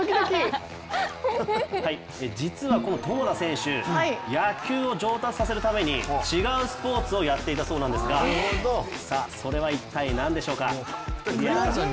実はこの友田選手野球を上達させるために違うスポーツをやっていたそうなんですがそれは一体、何でしょうか？